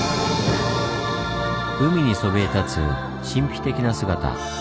海にそびえ立つ神秘的な姿。